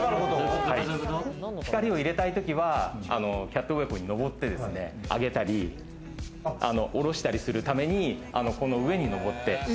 光を入れたいときはキャットウォークに登ってですね、あげたりおろしたりするために、この上に登って。